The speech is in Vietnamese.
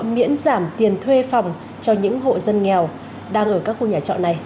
miễn giảm tiền thuê phòng cho những hộ dân nghèo đang ở các khu nhà trọ này